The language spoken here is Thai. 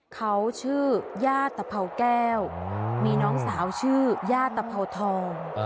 เขาชื่อย่าตะเภาแก้วมีน้องสาวชื่อย่าตะเภาทอง